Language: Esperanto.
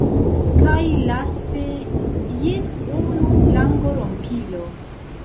Kaj laste, jen unu langorompilo: